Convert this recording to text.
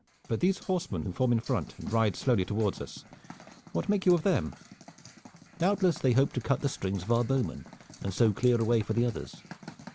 But these horsemen who form in front and ride slowly towards us, what make you of them?" "Doubtless they hope to cut the strings of our bowmen and so clear a way for the others.